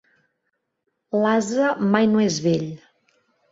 L'ase mai no és vell.